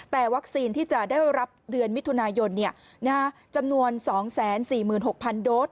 แต่วัคซีนที่จะได้รับเดือนมิถุนายนจำนวน๒๔๖๐๐โดส